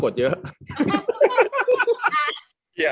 กดเยอะอีกมั้ย